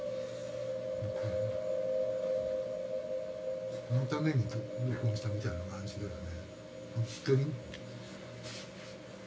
僕このために録音したみたいな感じだよね。